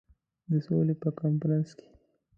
د سولي په کنفرانس کې.